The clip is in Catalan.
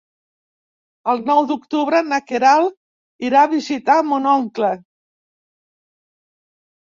El nou d'octubre na Queralt irà a visitar mon oncle.